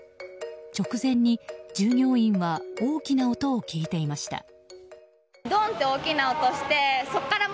直前に従業員は大きな音を聞いていました。